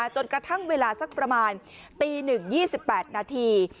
จนกระทั่งเวลาสักประมาณตี๑๒๘นาที